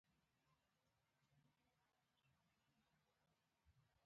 د خلکو دوکه کول ناپسندیده عمل دی.